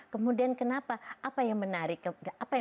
kemudian kenapa apa yang menarik apa yang bisa aku lakukan